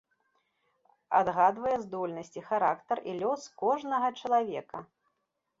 Адгадвае здольнасці, характар і лёс кожнага чалавека!